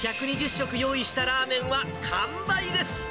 １２０食用意したラーメンは完売です。